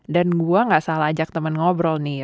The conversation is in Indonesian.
dan gue gak salah ajak temen ngobrol nih